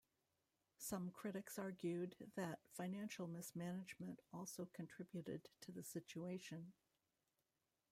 Some critics argued that financial mismanagement also contributed to the situation.